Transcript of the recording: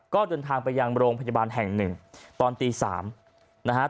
ก็เดินทางไปยังโรงพยาบาลแห่งหนึ่งตอนตี๓นะฮะ